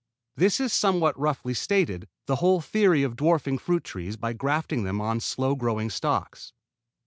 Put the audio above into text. This is, somewhat roughly stated, the whole theory of dwarfing fruit trees by grafting them on slow growing stocks.